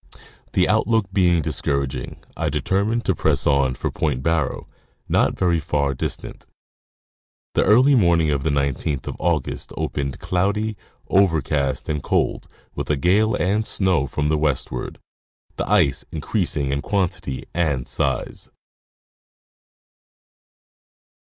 The outlook being discourag ing I determined to press on for Point Barrow, not very far dis tant.. The early morning of the 19th of August opened cloudy, overcast, and cold, with a gale and snow from the westward, the ice increasing in quantity and size.